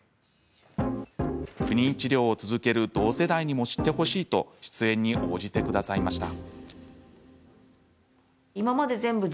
不妊治療を続ける同世代にも知ってほしいと出演に応じてくださいました。